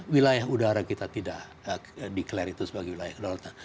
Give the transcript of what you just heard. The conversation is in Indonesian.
wilayah udara kita tidak declare itu sebagai wilayah kedaulatan